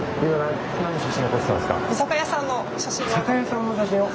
居酒屋さんの写真を？